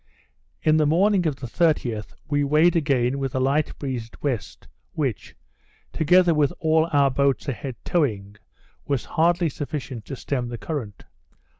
In the morning of the 30th we weighed again with a light breeze at west, which, together with all our boats a head towing, was hardly sufficient to stem the current.